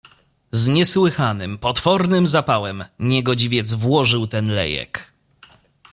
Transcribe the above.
"Z niesłychanym potwornym zapałem niegodziwiec włożył ten lejek..."